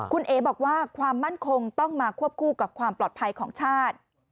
คุณเอ๋บอกว่าความมั่นคงต้องมาควบคู่กับความปลอดภัยของชาติ